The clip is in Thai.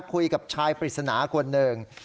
คุยกับชายปริศนาคนหนึ่ง